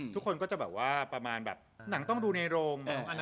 ทุกคนก็จะแบบว่าหนังต้องดูในโรง